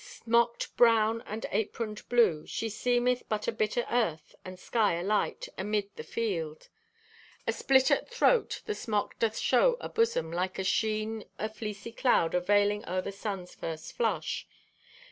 Smocked brown and aproned blue, she seemeth but a bit o' earth and sky alight amid the field. Asplit at throat, the smock doth show a busom like to a sheen o' fleecy cloud aveiling o'er the sun's first flush.